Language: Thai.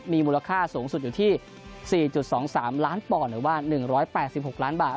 มีมูลค่าสูงสุดอยู่ที่๔๒๓ล้านปอนด์หรือว่า๑๘๖ล้านบาท